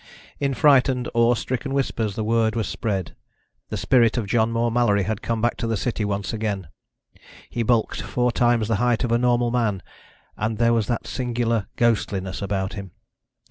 In frightened, awe stricken whispers the word was spread ... the spirit of John Moore Mallory had come back to the city once again. He bulked four times the height of a normal man and there was that singular ghostliness about him.